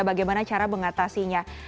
bagaimana cara mengatasinya